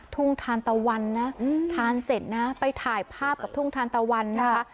ทุ่งทานตะวันนะทานเสร็จนะไปถ่ายภาพกับทุ่งทานตะวันนะคะ